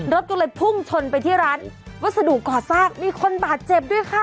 รถก็เลยพุ่งชนไปที่ร้านวัสดุก่อสร้างมีคนบาดเจ็บด้วยค่ะ